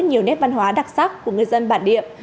nhiều nét văn hóa đặc sắc của người dân bản địa